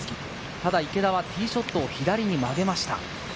ただ池田はティーショットを左に曲げました。